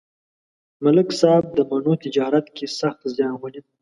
ملک صاحب د مڼو تجارت کې سخت زیان ولید